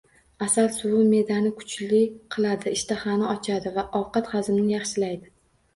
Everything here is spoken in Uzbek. Asal suvi me’dani kuchli qiladi, ishtahani ochadi, ovqat hazmini yaxshilaydi.